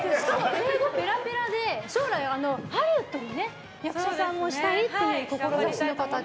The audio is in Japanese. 英語ペラペラで将来ハリウッドにね役者さんもしたいという志の方で。